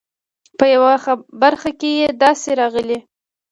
په یوه برخه کې یې داسې راغلي.